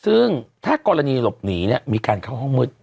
ซึ่งถ้ากรณีหลบหนีเนี่ยมีการเข้าห้องมืด